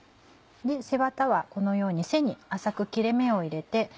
背ワタはこのように背に浅く切れ目を入れて。